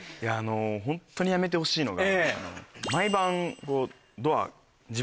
ホントにやめてほしいのが。